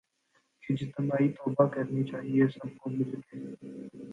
اجتماعی توبہ کرنی چاہیے سب کو مل کے